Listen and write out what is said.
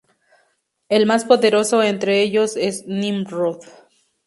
El más poderoso entre ellos es Nimrod.